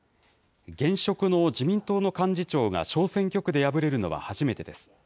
現職の自民党の幹事長が小選挙区で敗れるのは初めてです。